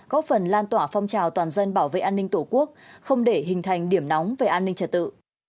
góp phần lan tỏa phong trào toàn dân bảo vệ an ninh tổ quốc không để hình thành điểm nóng về an ninh trật tự